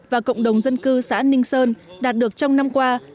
và cộng đồng dân cư xã ninh sơn đạt được trong năm qua